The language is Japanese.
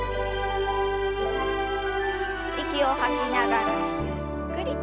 息を吐きながらゆっくりと。